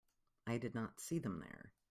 I did not see them there.